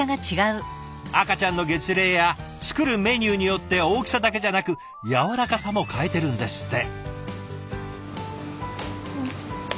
赤ちゃんの月齢や作るメニューによって大きさだけじゃなくやわらかさも変えてるんですって。